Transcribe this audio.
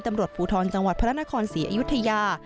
ตำรวจภูทรจังหวัดพระนครศรีอยุธยา